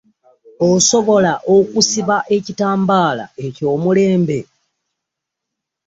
Osobola okusiba ekitambala ekyomulembe.